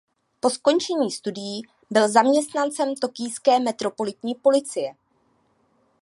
Po skončení studií byl zaměstnancem Tokijské metropolitní policie.